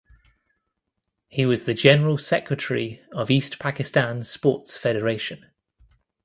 He was the General Secretary of East Pakistan Sports Federation.